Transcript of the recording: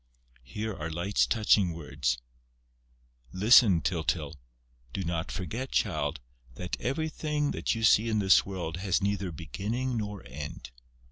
Here are Light's touching words: "Listen, Tyltyl. Do not forget, child, that everything that you see in this world has neither beginning nor end.